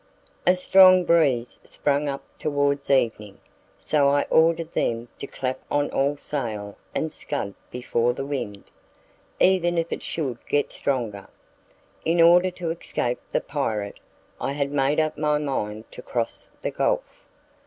A strong breeze sprang up towards evening, so I ordered them to clap on all sail and scud before the wind, even if it should get stronger. In order to escape the pirate, I had made up my mind to cross the gulf.